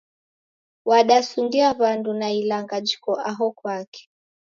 Wadasungia w'andu na ilanga jiko aho kwake